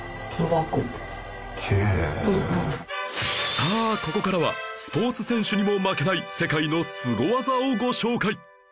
さあここからはスポーツ選手にも負けない世界のスゴ技をご紹介